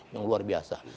yang luar biasa